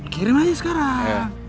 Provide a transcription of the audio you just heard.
kirim saja sekarang